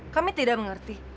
kami tidak mengerti